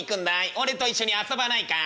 俺と一緒に遊ばないかい？」。